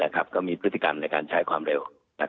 ก็มีพฤติกรรมในการใช้ความเร็ว